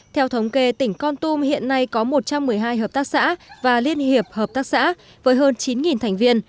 theo thống kê tỉnh con tum hiện nay có một trăm một mươi hai hợp tác xã và liên hiệp hợp tác xã với hơn chín thành viên